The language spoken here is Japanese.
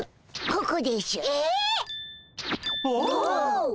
おお！